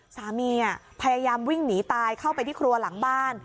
พยายามวิ่งหนีตายเข้าไปที่ครัวหลังบ้าน